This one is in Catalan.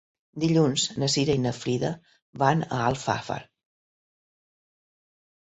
Dilluns na Cira i na Frida van a Alfafar.